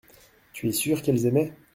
Tu es sûr qu’elles aimaient.